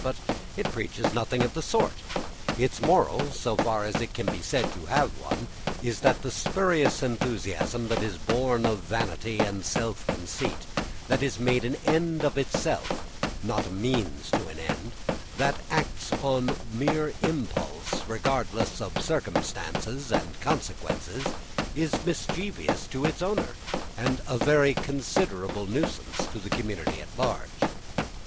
But it preaches nothing of the sort; its moral, so far as it can be said to have one, is that the spurious enthusiasm that is born of vanity and self conceit, that is made an end in itself, not a means to an end, that acts on mere impulse, regardless of circumstances and consequences, is mischievous to its owner, and a very considerable nuisance to the community at large.